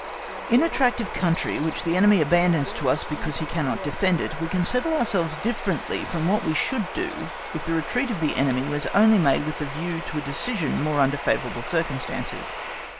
In a tract of country which the enemy abandons to us because he cannot defend it, we can settle ourselves differently from what we should do if the retreat of the enemy was only made with the view to a decision under more favourable circumstances.